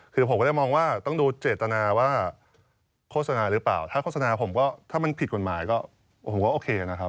คือผมก็จะมองว่าต้องดูเจตนาว่าโฆษณาหรือเปล่าถ้าโฆษณาผมก็ถ้ามันผิดกฎหมายก็ผมก็โอเคนะครับ